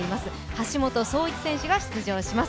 橋本壮市選手が出場します。